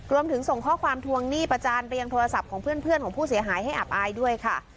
ส่งข้อความทวงหนี้ประจานไปยังโทรศัพท์ของเพื่อนของผู้เสียหายให้อับอายด้วยค่ะ